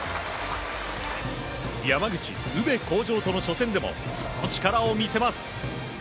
山口、宇部鴻城との初戦でもその力を見せます。